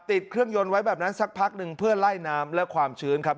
ติดเครื่องยนต์ไว้แบบนั้นสักพักหนึ่งเพื่อไล่น้ำและความชื้นครับ